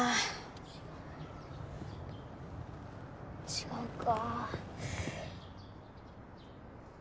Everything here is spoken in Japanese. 違うか